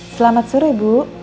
selamat sore ibu